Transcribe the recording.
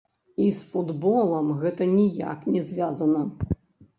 І з футболам гэта ніяк не звязана.